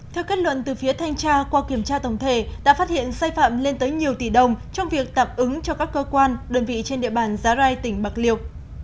theo kết luận từ phía thanh tra qua kiểm tra tổng thể đã phát hiện sai phạm lên tới nhiều tỷ đồng trong việc tạm ứng cho các cơ quan đơn vị trên địa bàn giá rai tỉnh bạc liêu